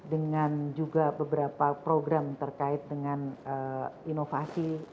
dengan juga beberapa program terkait dengan inovasi